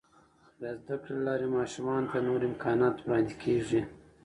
د زده کړې له لارې، ماشومانو ته نور امکانات وړاندې کیږي.